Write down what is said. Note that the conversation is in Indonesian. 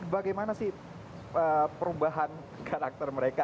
bagaimana sih perubahan karakter mereka